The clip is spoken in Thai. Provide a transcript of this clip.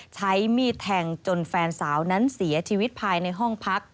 ใช้มีดแทงจนแฟนสาวนั้นเสียชีวิตภายในห้องพัก